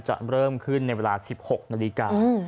จะเริ่มขึ้นในเวลา๑๖นาฬิกา